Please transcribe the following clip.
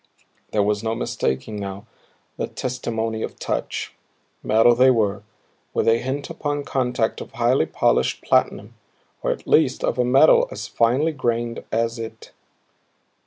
There was no mistaking now the testimony of touch. Metal they were, with a hint upon contact of highly polished platinum, or at the least of a metal as finely grained as it.